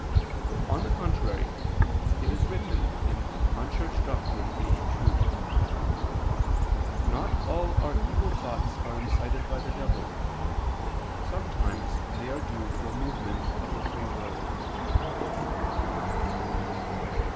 On the contrary, It is written (De Eccl. Dogm. lxxxii): "Not all our evil thoughts are incited by the devil; sometimes they are due to a movement of the free will."